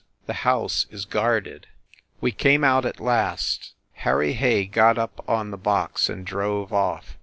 . the house is guarded, We came out, at last. Harry Hay got up on the box and drove off.